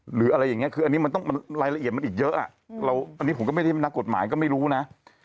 หรืออะไรอย่างนี้คืออันนี้มันต้องรายละเอียดมันอีกเยอะอันนี้ผมก็ไม่ได้นักกฎหมายก็ไม่รู้นะ